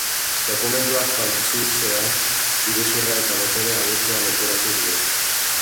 Dokumentuak faltsutzea, iruzurra eta botere abusua leporatu diote.